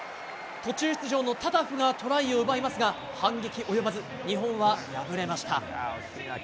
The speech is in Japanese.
途中出場のタタフが得点を奪いますが反撃及ばず、日本は敗れました。